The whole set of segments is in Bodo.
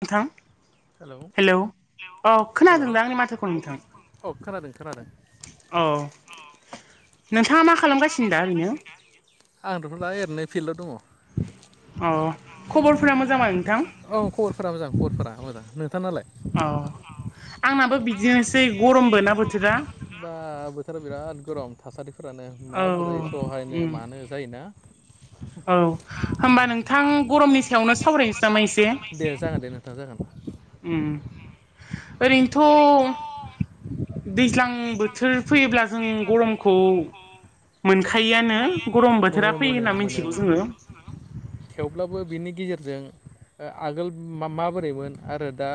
नोंथां। हेलौ औ हेल' खोनादों अ दा आंनि माथोखौ नोंथां खोनादों खोनादों। औ नोंथाङा मा खालामगासिनो दा ओरैनो आंथ'थ दा एरैनोयफिल्डआव दङ। अ खबरफोरा मोजांमा औ खबरफोरा मोजां खबरफोरा मोजां नोंथां नालाय? औ आंनाबो बिदिनोसै गरमबो ना बो बा बोथोरा बिराद गरम थासारि फोरानो औ माबोरै सहायनो उम मानो जायोना। औ होमबा नोंथां गरमनि सायावनो सावरायसै नामा एसे? दे जागोन दे नोंथां जागोन। म ओरैनोथ' दैज्लां बोथोर फैयोब्ला जों गरमखौ मोनखायोआनो गरम बोथोरा फैयोना मिथिगौ जोङो। थेवब्लाबो बिनि गेजेरजों आगोल माबोरैमोन आरो दा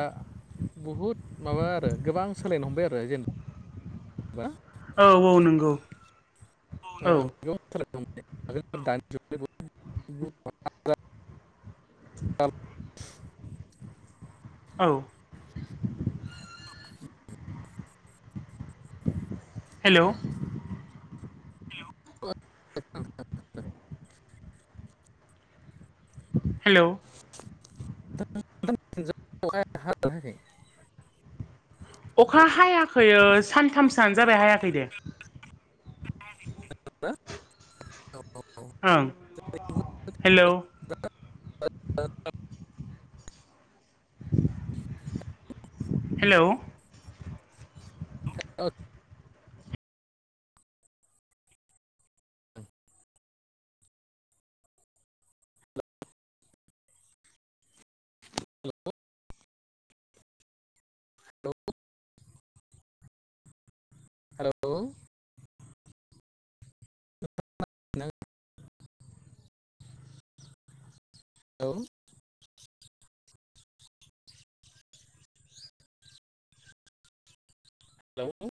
बहुद माबा आरो गोबां सोलायनो हमबाय आरो जेनब जेनबा औ औ नंगौ। औ थार। दानि [unintelligible] [inaudible] औ हेल'। [unintelligible] हेल'। [unintelligible] अखा हायाखै सानथामसोआनो जाबाय हायाखै दे। [unintelligible] ओ हेल'। हेल'। औ। औ। हेल'। [unintelligible] औ हेलौ।